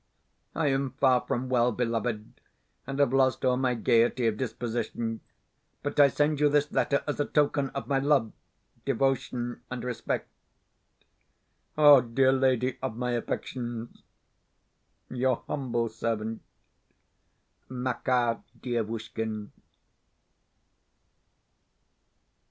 I am far from well, beloved, and have lost all my gaiety of disposition, but I send you this letter as a token of my love, devotion, and respect, Oh dear lady of my affections. Your humble servant, MAKAR DIEVUSHKIN.